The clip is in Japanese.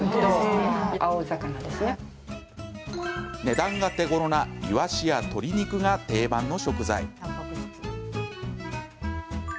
値段が手ごろないわしや鶏肉が定番の食材。